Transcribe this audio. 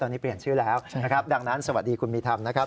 ตอนนี้เปลี่ยนชื่อแล้วนะครับดังนั้นสวัสดีคุณมีธรรมนะครับ